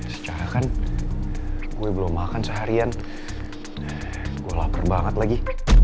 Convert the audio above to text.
secara kan gue belum makan seharian gue lapar banget lagi